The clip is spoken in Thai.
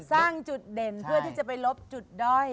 สร้างจุดเด่นเพื่อที่จะไปลบจุดด้อย